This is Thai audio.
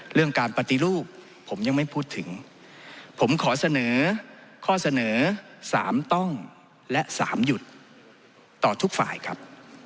เรื่องการปฏิรูปผมยังไม่พูดถึงผมขอเสนอข้อเสนอ๓ต้องและ๓หยุดต่อทุกฝ่ายครับ